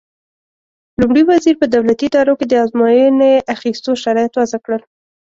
لومړي وزیر په دولتي ادارو کې د ازموینې اخیستو شرایط وضع کړل.